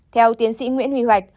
theo tiến sĩ nguyễn huy hoạch